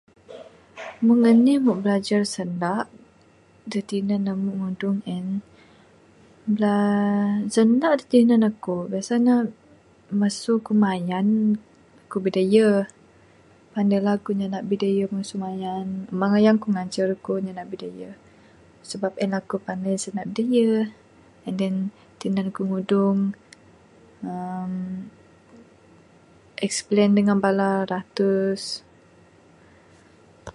Mung enih emu belajar sindak, de tinan emu ngudung en, bla sindak de tinan eku, biasa ne, mesu ku mayan, ku bidayeh. Pandai lah ku nyindak bidayeh mesu mayan mang ayan ku ngajar eku sindak bidayeh, sebab en ku pandai sindak bidayeh and than, tinan ku ngudung, uhh explain dengan bala ratus.